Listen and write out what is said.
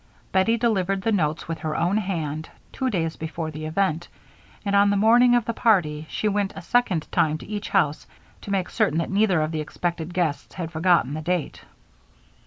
Bettie delivered the notes with her own hand, two days before the event, and on the morning of the party she went a second time to each house to make certain that neither of the expected guests had forgotten the date.